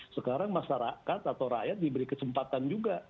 sekarang masyarakat atau rakyat diberi kesempatan juga